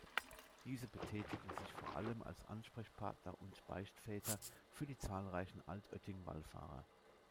Diese betätigen sich vor allem als Ansprechpartner und Beichtväter für die zahlreichen Altötting-Wallfahrer.